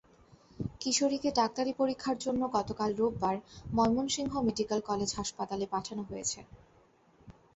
কিশোরীকে ডাক্তারি পরীক্ষার জন্য গতকাল রোববার ময়মনসিংহ মেডিকেল কলেজ হাসপাতালে পাঠানো হয়েছে।